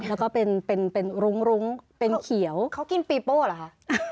แล้วก็เป็นรุ้งเป็นเขียวเขากินปีโป้เหรอคะ